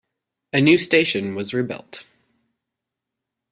A new station was rebuilt.